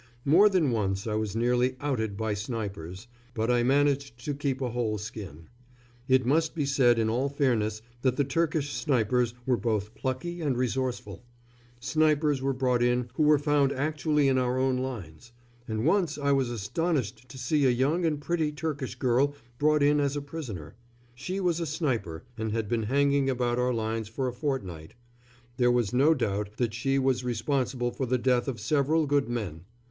More than once I was nearly "outed" by snipers; but I managed to keep a whole skin. It must be said in all fairness that the Turkish snipers were both plucky and resourceful snipers were brought in who were found actually in our own lines; and once I was astonished to see a young and pretty Turkish girl brought in as a prisoner. She was a sniper, and had been hanging about our lines for a fortnight. There was no doubt that she was responsible for the death of several good men.